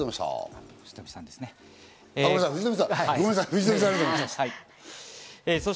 藤富さん、ありがとうございました。